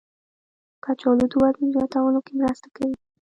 کچالو د وزن زیاتولو کې مرسته کوي.